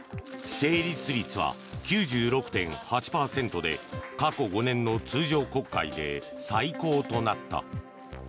成立率は９６．８％で過去５年の通常国会で最高となった。